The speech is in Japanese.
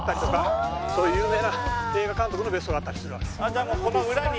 じゃあもうこの裏に。